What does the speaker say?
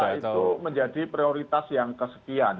alusista itu menjadi prioritas yang kesekian